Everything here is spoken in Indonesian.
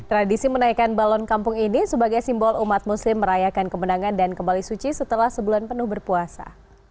tradisi menaikan balon kampung ini sebagai simbol umat muslim merayakan kemenangan dan kembali suci setelah sebulan penuh berpuasa